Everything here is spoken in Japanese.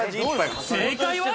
正解は。